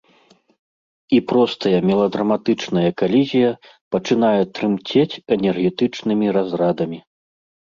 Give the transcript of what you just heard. І простая меладраматычная калізія пачынае трымцець энергетычнымі разрадамі.